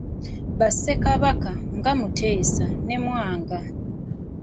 Ba ssekabaka nga Mutesa ne Mwanga.